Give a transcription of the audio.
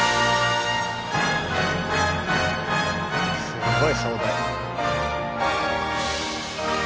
すごい壮大。